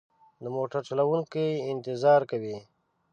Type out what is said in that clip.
د موټر چلوونکی انتظار کوي.